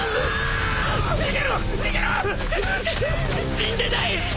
死んでない！